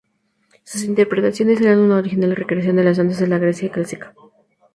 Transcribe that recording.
Sus interpretaciones eran una original recreación de las danzas de la Grecia clásica.